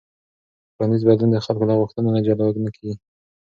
ټولنیز بدلون د خلکو له غوښتنو نه جلا نه کېږي.